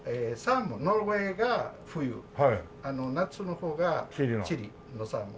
ノルウェーが冬夏の方がチリのサーモン。